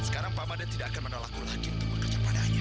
sekarang pamada tidak akan menolakku lagi untuk bekerja padanya